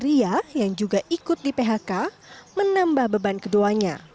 ria yang juga ikut di phk menambah beban keduanya